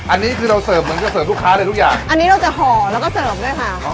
อันนี้คือเราเสิร์ฟเหมือนจะเสิร์ฟลูกค้าเลยทุกอย่างอันนี้เราจะห่อแล้วก็เสิร์ฟด้วยค่ะ